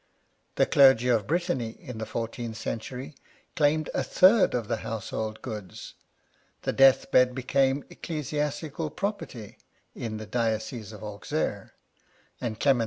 The clergy of Brittany, in the fourteenth century, claimed a third of the household goods ; the death bed became ecclesiastical property in the 42 Strange Wills diocese of Auxerre ; and Clement V.